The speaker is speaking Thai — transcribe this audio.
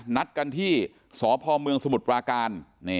นัดกันที่สพเมืองสมุทรปราการ